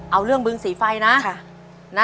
เอาเรื่องบึงสีไฟนะ